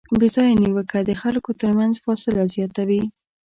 بېځایه نیوکه د خلکو ترمنځ فاصله زیاتوي.